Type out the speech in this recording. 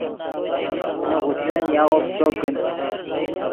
نے غسلن یاغو پیݯو کن